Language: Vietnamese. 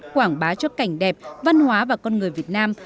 quảng bá cho cảnh đẹp văn hóa và con người việt nam